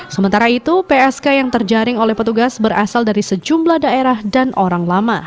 sementara itu psk yang terjaring oleh petugas berasal dari sejumlah daerah dan orang lama